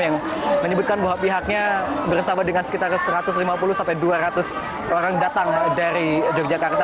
yang menyebutkan bahwa pihaknya bersama dengan sekitar satu ratus lima puluh sampai dua ratus orang datang dari yogyakarta